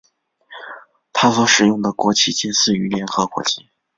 它所使用的国旗近似于联合国旗。